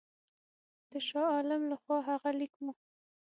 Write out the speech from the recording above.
د شاه عالم له خوا هغه لیک وو.